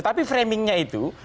tapi framingnya itu